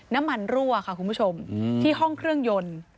รั่วค่ะคุณผู้ชมที่ห้องเครื่องยนต์